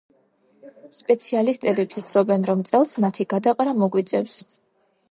სპეციალისტები ფიქრობენ, რომ წელს მათი გადაყრა მოგვიწევს.